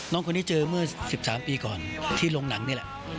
คนนี้เจอเมื่อ๑๓ปีก่อนที่โรงหนังนี่แหละ